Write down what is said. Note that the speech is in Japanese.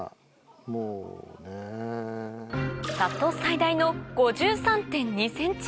里最大の５３．２ｃｍ